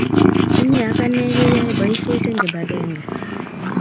Inye ak ane keyoe boisiet eng kibagenge